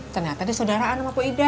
ternyata di sodaraan sama pau ida